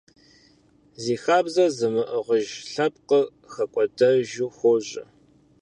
Зи хабзэр зымыӀыгъыж лъэпкъыр хэкӀуэдэжу хуожьэ.